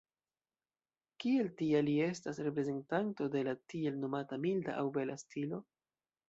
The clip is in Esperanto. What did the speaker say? Kiel tia li estas reprezentanto de la tiel nomata milda aŭ bela stilo.